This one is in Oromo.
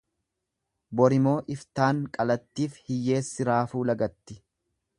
Borimoo iftaan qalattiif hiyyeessi raafuu lagatti.